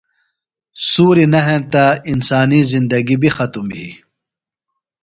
سُوری نہ ہینتہ انسانی زندگی بیۡ ختم بھی۔